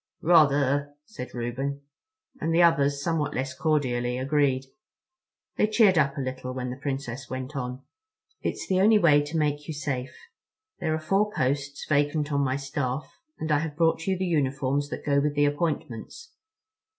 "Rather," said Reuben, and the others, somewhat less cordially, agreed. They cheered up a little when the Princess went on. "It's the only way to make you safe. There are four posts vacant on my staff, and I have brought you the uniforms that go with the appointments."